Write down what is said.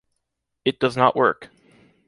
It does not work.